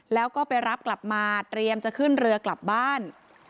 แล้วก็ไปรับกลับมาเตรียมจะขึ้นเรือกลับบ้าน